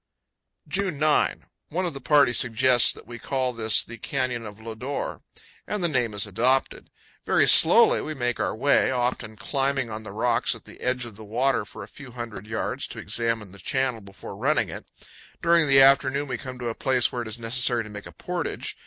June 9. One of the party suggests that we call this the Canyon of Lodore, and the name is adopted. Very slowly we make our way, often climbing on the rocks at the edge of the water for a few hundred yards to examine the channel before running it. During the afternoon we come to a place where it is necessary to make a portage.